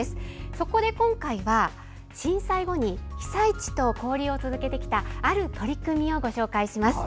そこで今回は被災地と交流を続けてきたある取り組みをご紹介します。